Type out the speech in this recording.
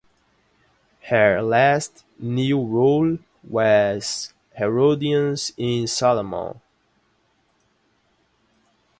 Her last new role was Herodias in "Salome".